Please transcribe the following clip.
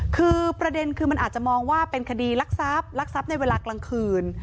คือประเด็นคือมันอาจจะมองว่าเป็นคดีรักทรัพย์ลักทรัพย์ในเวลากลางคืน